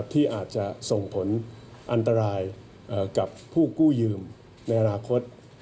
ที่อาจจะส่งผลอันตรายกับผู้กู้ยืมในอนาคต